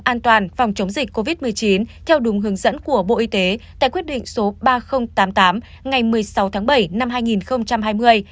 an toàn phòng chống dịch covid một mươi chín theo đúng hướng dẫn của bộ y tế tại quyết định số ba nghìn tám mươi tám ngày một mươi sáu tháng bảy năm hai nghìn hai mươi